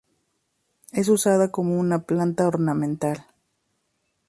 Es usada como una planta ornamental.